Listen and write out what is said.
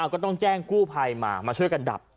ก็ต้องแจ้งกู้ภัยมามาช่วยกันดับ